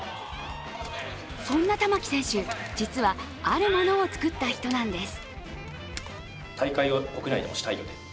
そんな玉置選手、実はあるものを作った人なんです。